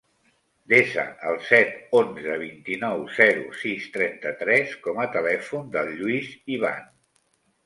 Desa el set, onze, vint-i-nou, zero, sis, trenta-tres com a telèfon del Lluís Ivan.